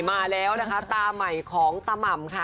มาแล้วนะคะตาใหม่ของตาม่ำค่ะ